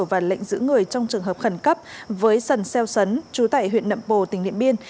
và lệnh giữ người trong trường hợp khẩn cấp với sần xeo sấn chú tại huyện nậm bồ tỉnh điện biên